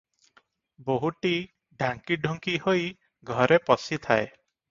ବୋହୂଟି ଢାଙ୍କିଢୁଙ୍କି ହୋଇ ଘରେ ପଶିଥାଏ ।